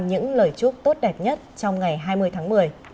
những lời chúc tốt đẹp nhất trong ngày hai mươi tháng một mươi